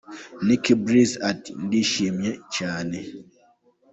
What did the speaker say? Nick Breezy ati “ Ndishimye cyane.